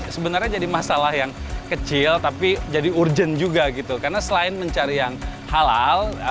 sebenarnya jadi masalah yang kecil tapi jadi urgent juga gitu karena selain mencari yang halal